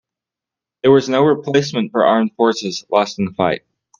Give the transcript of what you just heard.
There was no replacement for armed forces lost in the fight.